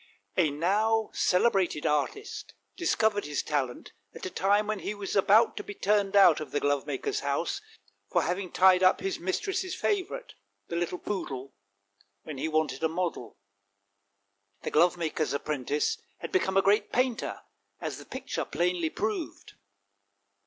A now celebrated artist discovered his talent at a time when he was about to be turned out of the glovemaker's house for having tied up his mistress's favourite, the little poodle, when he wanted a model. The glovemaker's apprentice had become a great painter, as the picture plainly proved.